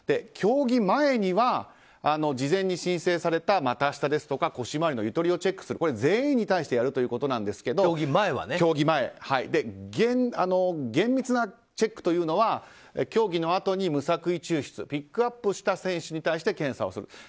競技前には事前に申請された股下ですとか腰回りのゆとりをチェックする全員に対してやるということですが厳密なチェックというのは競技のあとに無作為抽出ピックアップした選手に対して検査をする